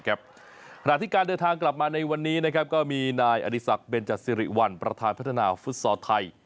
ถ้าถึงการเดินทางกลับมาในวันนี้มีนายอดิษักเป็นจากซีรีย์วันประทานพัฒนาฟุตซอลไทย